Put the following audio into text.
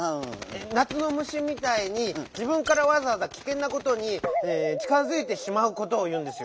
なつのむしみたいに「じぶんからわざわざきけんなことにちかづいてしまう」ことをいうんですよ。